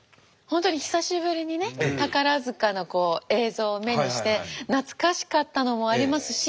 本当に久しぶりにね宝塚の映像を目にして懐かしかったのもありますし。